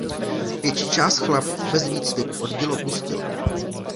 Větší část chlapců bez výcviku oddíl opustila.